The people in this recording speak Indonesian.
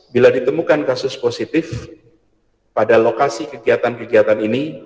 bila ditemukan kasus positif pada lokasi kegiatan kegiatan ini